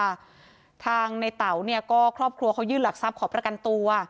ทางในเต๋าเนี่ยก็ครอบครัวเขายื่นหลักทรัพย์ขอประกันตัว